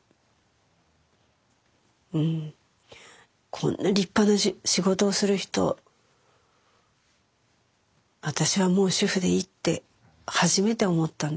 こんな立派な仕事をする人私はもう主婦でいいって初めて思ったんですよ。